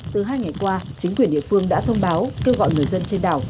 từ hai ngày qua chính quyền địa phương đã thông báo kêu gọi người dân trên đảo